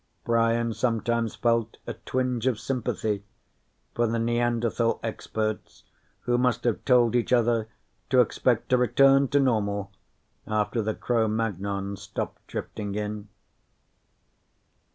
Brian sometimes felt a twinge of sympathy for the Neanderthal experts who must have told each other to expect a return to normal after the Cro Magnons stopped drifting in.